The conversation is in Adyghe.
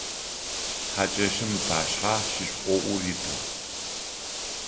Хьакӏэщым ыпашъхьэ шышӏоӏур итыгъ.